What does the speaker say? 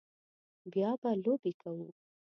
بیا به لوبې کوو